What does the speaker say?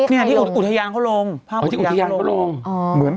มีอีกภาพหนึ่ง